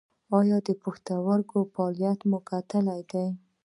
ایا د پښتورګو فعالیت مو کتلی دی؟